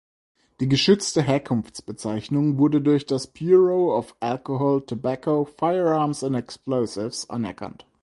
Die geschützte Herkunftsbezeichnung wurde durch das Bureau of Alcohol, Tobacco, Firearms and Explosives anerkannt.